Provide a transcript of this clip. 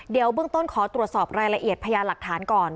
เดี๋ยวเบื้องต้นขอตรวจสอบรายละเอียดพยานหลักฐานก่อน